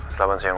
selamat siang om